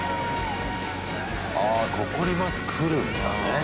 あここにバス来るんだね。